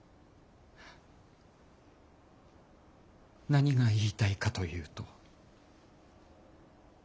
何が言いたいかというと。